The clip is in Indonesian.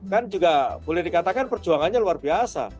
kan juga boleh dikatakan perjuangannya luar biasa